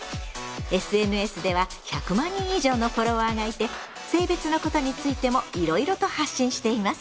ＳＮＳでは１００万人以上のフォロワーがいて性別のことについてもいろいろと発信しています。